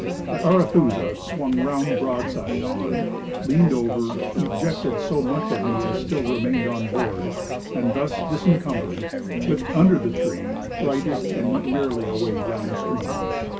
The Arethusa swung round broadside on, leaned over, ejected so much of me as still remained on board, and thus disencumbered, whipped under the tree, righted, and went merrily away down stream.